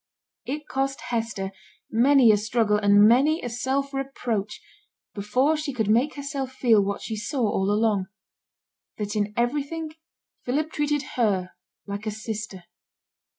It cost Hester many a struggle and many a self reproach before she could make herself feel what she saw all along that in everything Philip treated her like a sister.